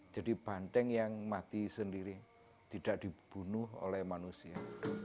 jadi banten yang mati sendiri tidak dibunuh oleh manusia